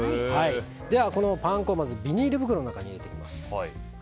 このパン粉をまずビニール袋の中に入れていきます。